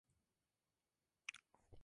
Sigue siendo usado hoy.